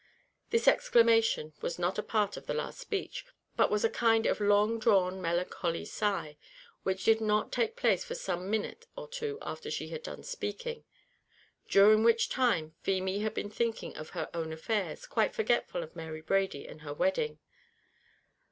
This exclamation was not a part of the last speech, but was a kind of long drawn, melancholy sigh, which did not take place for some minute or two after she had done speaking, during which time Feemy had been thinking of her own affairs, quite forgetful of Mary Brady and her wedding.